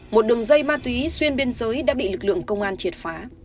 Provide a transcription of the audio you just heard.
một đường dây ma túy xuyên biên giới đã bị lực lượng công an triệt phá